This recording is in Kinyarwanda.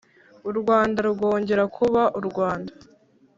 u rwanda rwongera kuba u rwanda